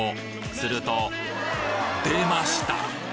すると出ました！